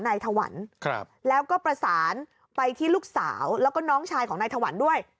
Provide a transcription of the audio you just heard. ถวันแล้วก็ประสานไปที่ลูกสาวแล้วก็น้องชายของนายถวันด้วย